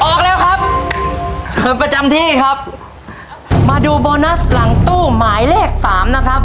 ออกแล้วครับเชิญประจำที่ครับมาดูโบนัสหลังตู้หมายเลขสามนะครับ